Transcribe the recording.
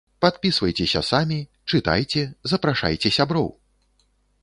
Падпісвайцеся самі, чытайце, запрашайце сяброў!